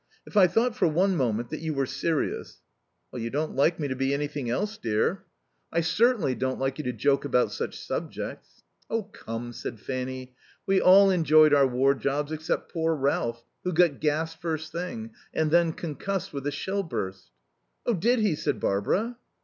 If I thought for one moment that you were serious " "You don't like me to be anything else, dear." "I certainly don't like you to joke about such subjects." "Oh, come," said Fanny, "we all enjoyed our war jobs except poor Ralph, who got gassed first thing, and then concussed with a shell burst." "Oh, did he?" said Barbara.